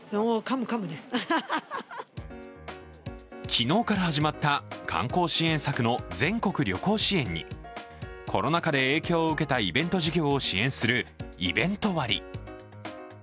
昨日から始まった観光支援策の全国旅行支援に、コロナ禍でえきを受けたイベント事業を支援するイベント割。